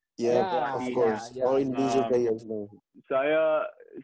oh di uph juga